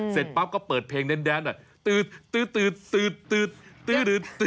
เสร็จปั๊บก็เปิดเพลงแดนหน่อยตืด